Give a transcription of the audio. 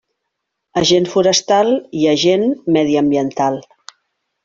Agent Forestal i Agent Mediambiental.